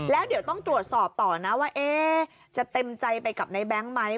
แล้วเดี๋ยวต้องตรวจสอบต่อนะว่าจะเต็มใจไปกับในแบงค์ไหม